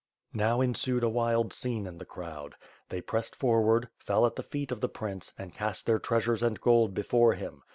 Now ensued a wild scene in the crowd. They pressed for ward, fell at the feet of the prince and cast their treasures and gold before him.